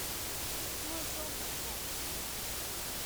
因為說我做了